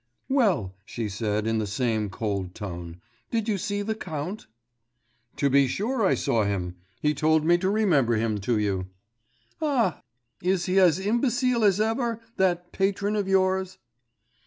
'Well,' she said in the same cold tone, 'did you see the Count?' 'To be sure I saw him. He told me to remember him to you.' 'Ah! is he as imbecile as ever, that patron of yours?